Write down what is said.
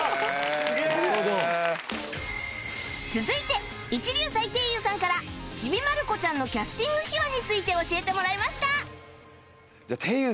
続いて一龍斎貞友さんから『ちびまる子ちゃん』のキャスティング秘話について教えてもらいました